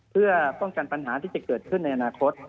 เพื่อป้องกันปัญหาที่จะเกิดขึ้นในอนาคต